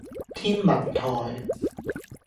天文台